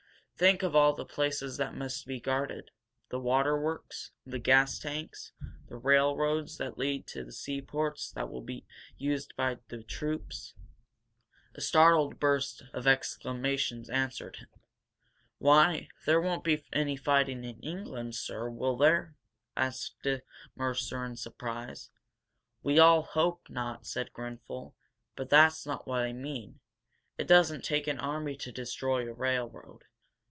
"Think of all the places that must be guarded. The waterworks, the gas tanks, the railroads that lead to the seaports and that will be used by the troops." A startled burst of exclamations answered him. "Why, there won't be any fighting in England, sir, will there?" asked Dick Mercer, in surprise. "We all hope not," said Grenfel. "But that's not what I mean. It doesn't take an army to destroy a railroad.